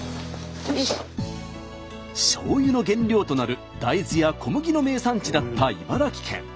しょうゆの原料となる大豆や小麦の名産地だった茨城県。